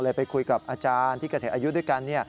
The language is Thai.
ไปคุยกับอาจารย์ที่เกษียณอายุด้วยกัน